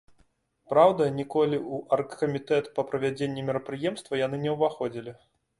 Праўда, ніколі ў аргкамітэт па правядзенні мерапрыемства яны не ўваходзілі.